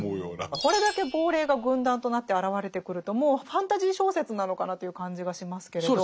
これだけ亡霊が軍団となって現れてくるともうファンタジー小説なのかなという感じがしますけれど。